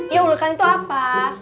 iya ulekan itu apa